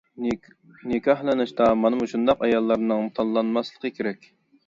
نىكاھلىنىشتا مانا مۇشۇنداق ئاياللارنىڭ تاللانماسلىقى كېرەك.